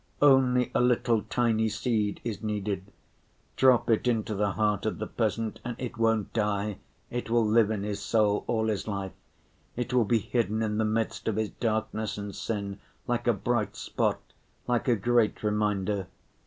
Only a little tiny seed is needed—drop it into the heart of the peasant and it won't die, it will live in his soul all his life, it will be hidden in the midst of his darkness and sin, like a bright spot, like a great reminder.